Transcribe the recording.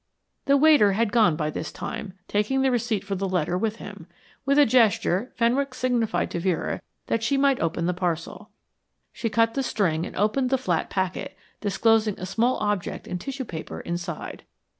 The waiter had gone by this time, taking the receipt for the letter with him. With a gesture Fenwick signified to Vera that she might open the parcel. She cut the string and opened the flat packet, disclosing a small object in tissue paper inside.